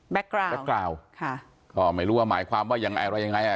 แบ็คกราวด์ค่ะก็ไม่รู้ว่าหมายความว่ายังไงอะไรยังไง